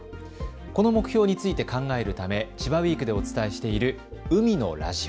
この目標について考えるため千葉ウイークでお伝えしている海のラジオ。